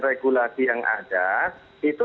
regulasi yang ada itu